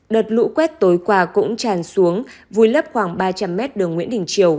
đợt lũ quét tối qua cũng tràn xuống vùi lấp khoảng ba trăm linh mét đường nguyễn đình triều